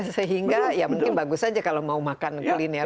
sehingga ya mungkin bagus saja kalau mau makan kuliner